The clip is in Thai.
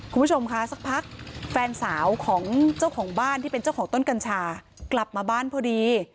คุณผู้ชมค่ะสักพักแฟนสาวของเจ้าของบ้านที่เป็นเจ้าของต้นกัญชากลับมาบ้านพอดี